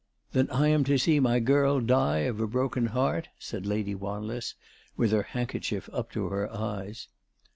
" Then I am to see my girl die of a broken heart ?" said Lady "Wanless, with her handkerchief up to her eyes.